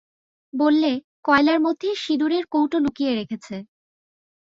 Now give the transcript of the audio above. বললে, কয়লার মধ্যে সিঁদুরের কৌটো লুকিয়ে রেখেছে।